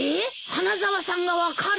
花沢さんが分かるの？